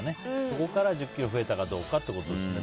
そこから１０ｋｇ増えたかどうかですね。